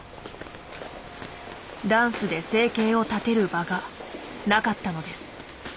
ダンスで生計を立てる場がなかったのです。